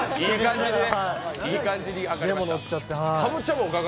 いい感じに上がりました？